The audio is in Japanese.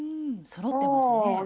そろってますね。